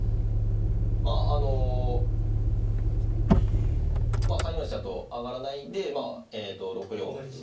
まああの３四飛車と上がらないで６四歩。